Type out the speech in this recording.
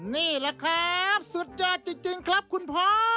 นี่แหละครับสุดยอดจริงครับคุณพ่อ